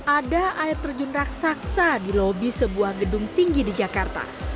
ada air terjun raksasa di lobi sebuah gedung tinggi di jakarta